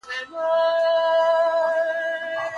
ولي لېواله انسان د هوښیار انسان په پرتله لاره اسانه کوي؟